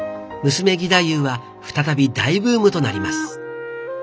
娘義太夫は再び大ブームとなります。